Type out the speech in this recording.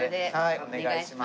お願いします。